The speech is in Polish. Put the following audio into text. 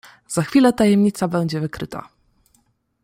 "Za chwilę tajemnica będzie wykryta!"